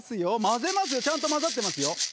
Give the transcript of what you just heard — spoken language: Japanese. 混ぜますよちゃんと混ざってますよ。